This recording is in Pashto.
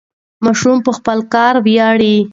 ماشوم په خپل کار ویاړي.